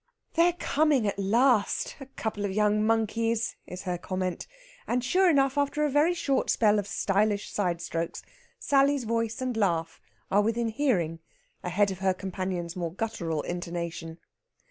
"They're coming at last a couple of young monkeys!" is her comment. And, sure enough, after a very short spell of stylish sidestrokes Sally's voice and laugh are within hearing ahead of her companion's more guttural intonation.